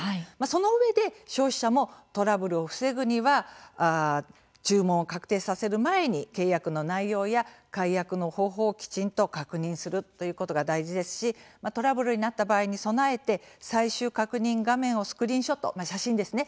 そのうえで消費者もトラブルを防ぐには注文を確定させる前に契約の内容や、解約の方法をきちんと確認するということが大事ですしトラブルになった場合に備えて最終確認画面をスクリーンショット、写真ですね